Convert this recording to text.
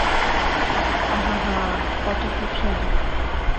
আহা-হা, কত সুস্বাদু!